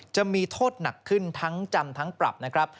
จะมีโทษหนักขึ้นทั้งจำทั้งปรับนะครับ